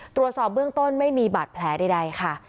ตรวจสอบเบื้องต้นไม่มีบาดแผลใดค่ะ